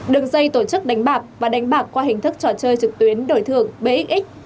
đường dây tổ chức đánh bạc và đánh bạc qua hình thức trò chơi trực tuyến đổi thưởng bxx